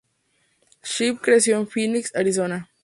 Shipp creció en Phoenix, Arizona.